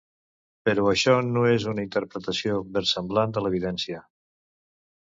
Però això no és una interpretació versemblant de l'evidència.